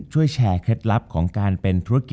จบการโรงแรมจบการโรงแรม